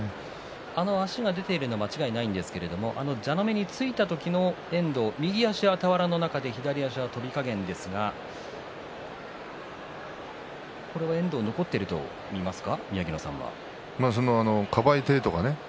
足が出ているのは間違いないんですが蛇の目についた時の右足は俵の中で左は跳び加減ですがこれは遠藤、残っていると思いますか？